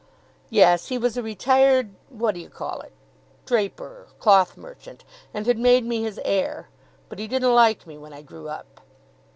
'Yes. He was a retired what do you call it! draper cloth merchant and had made me his heir. But he didn't like me when I grew up.